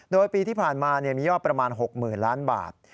โดยปีที่ผ่านมามียอดประมาณ๖๐๐๐ล้านบาท